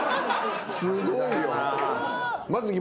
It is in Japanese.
すごいよ。